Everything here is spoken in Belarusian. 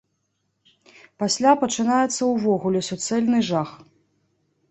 Пасля пачынаецца ўвогуле суцэльны жах.